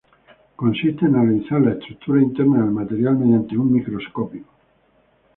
Consisten en analizar la estructura interna del material mediante un microscopio.